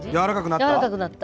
柔らかくなった。